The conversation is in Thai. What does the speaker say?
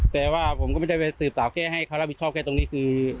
แต่ว่าผมก็ไม่ได้ไปสืบสาวแค่ให้เขารับผิดชอบแค่ตรงนี้คือ